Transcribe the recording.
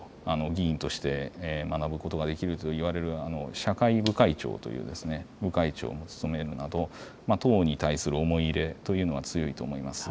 議員として学ぶことができるといわれる社会部会長と部会長も務めるなど党に対する思い入れというのは強いと思います。